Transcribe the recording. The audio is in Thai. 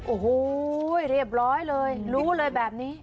โอ้โหเรียบร้อยเลยรู้เลยแบบนี้